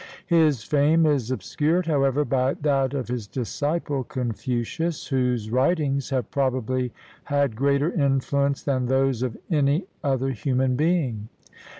His fame is obscured, however, by that of his disciple, Confucius, whose writings have probably had greater influence than those of any other human being.